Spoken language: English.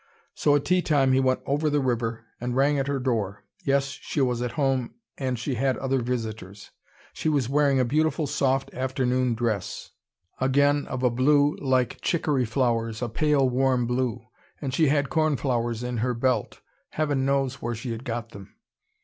So at teatime he went over the river, and rang at her door. Yes, she was at home, and she had other visitors. She was wearing a beautiful soft afternoon dress, again of a blue like chicory flowers, a pale, warm blue. And she had cornflowers in her belt: heaven knows where she had got them.